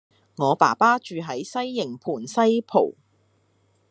我爸爸住喺西營盤西浦